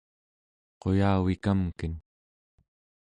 quyavikamken